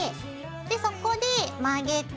でそこで曲げて。